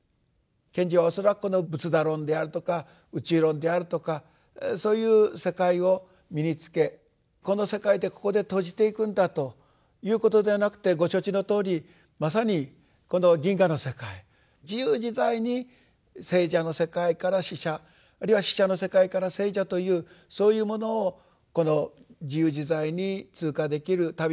賢治は恐らくこの仏陀論であるとか宇宙論であるとかそういう世界を身につけこの世界でここで閉じていくんだということではなくてご承知のとおりまさにこの銀河の世界自由自在に生者の世界から死者あるいは死者の世界から生者というそういうものをこの自由自在に通過できる旅をする。